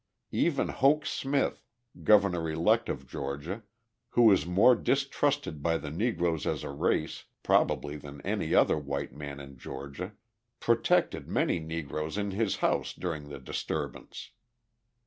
Even Hoke Smith, Governor elect of Georgia, who is more distrusted by the Negroes as a race probably than any other white man in Georgia, protected many Negroes in his house during the disturbance.